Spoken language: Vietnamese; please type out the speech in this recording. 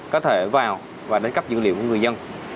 có thể vào và đánh cắp dữ liệu của người dân